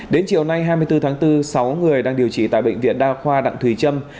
đến chiều nay hai mươi bốn tháng bốn sáu người đang điều trị tại bệnh viện đa khoa đặng thùy trâm